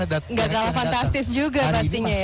tidak kalah fantastis juga pastinya ya